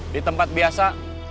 di tempat biasa